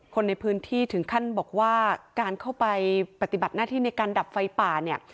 คนในพื้นที่ถึงขั้นบอกว่าการเข้าไปปฏิบัติหน้าที่ในการดับไฟป่าเนี่ย